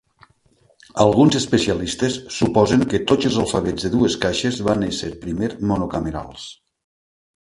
Alguns especialistes suposen que tots els alfabets de dues caixes van ésser primer monocamerals.